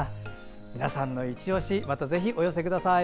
皆さんのいちオシまたぜひ、お寄せください。